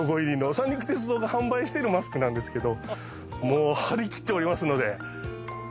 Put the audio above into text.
三陸鉄道が販売してるマスクなんですけどもう張り切っておりますので。